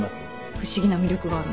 不思議な魅力があるんだよね